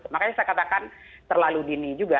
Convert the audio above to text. makanya saya katakan terlalu dini juga